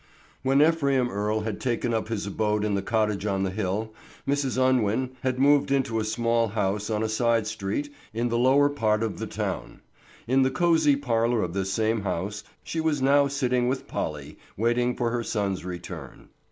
WHEN Ephraim Earle had taken up his abode in the cottage on the hill, Mrs. Unwin had moved into a small house on a side street in the lower part of the town. In the cozy parlor of this same house, she was now sitting with Polly, waiting for her son's return.